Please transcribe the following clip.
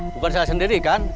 bukan saya sendiri kan